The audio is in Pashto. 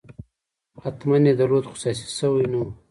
حتماً یې درلود خو سیاسي شوی نه و.